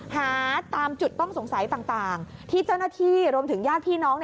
หาตามจุดต้องสงสัยต่างที่เจ้าหน้าที่รวมถึงญาติพี่น้อง